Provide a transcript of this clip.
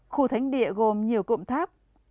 khu thánh địa gồm nhiều cụm tháp